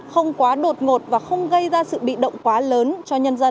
không quá đột ngột và không gây ra sự bị động quá lớn cho nhân dân